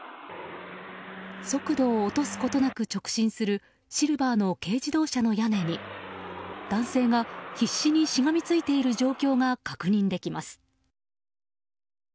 速度を落とすことなく直進するシルバーの軽自動車の屋根に男性が必死にしがみついている状況が確認できます。